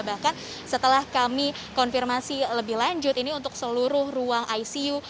bahkan setelah kami konfirmasi lebih lanjut ini untuk seluruh ruang icu